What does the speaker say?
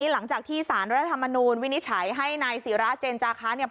หลังจากที่สารรัฐธรรมนูลวินิจฉัยให้นายศิราเจนจาคะเนี่ย